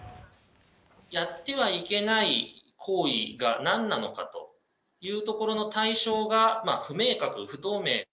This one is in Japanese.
やってはいけない行為がなんなのかというところの対象が不明確、不透明。